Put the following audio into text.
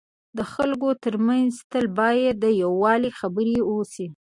د خلکو ترمنځ تل باید د یووالي خبري وسي.